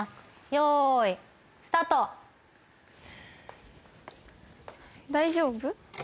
用意スタート大丈夫？